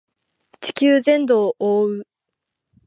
地球全土を覆う